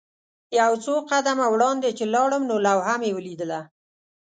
یو څو قدمه وړاندې چې لاړم نو لوحه مې ولیدله.